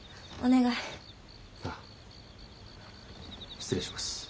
失礼します。